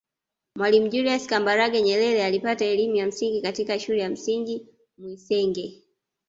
Mwalimu Julius Kambarage Nyerere alipata elimu ya msingi katika Shule ya Msingi Mwisenge